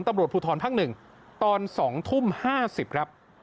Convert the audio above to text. ตำรวจภูทรภักดิ์หนึ่งตอน๒ทุ่ม๕๐ครับ